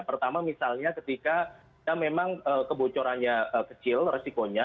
pertama misalnya ketika memang kebocorannya kecil resikonya